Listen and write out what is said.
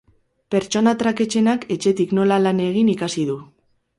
Pertsona traketsenak etxetik nola lan egin ikasi du.